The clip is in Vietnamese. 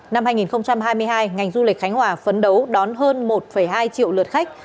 năm hai nghìn hai mươi hai ngành du lịch khánh hòa phấn đấu đón hơn một hai triệu lượt khách